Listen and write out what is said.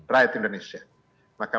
rakyat indonesia maka